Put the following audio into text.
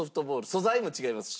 素材も違いますし。